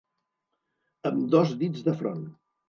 Amb dos dits de front.